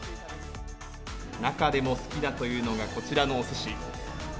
中でも好きだというのが、こちらのおすし。